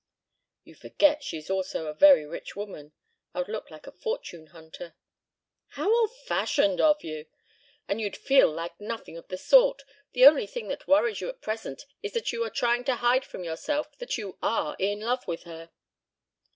"You forget she is also a very rich woman. I'd look like a fortune hunter " "How old fashioned of you! And you'd feel like nothing of the sort. The only thing that worries you at present is that you are trying to hide from yourself that you are in love with her."